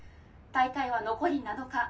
大会は残り７日。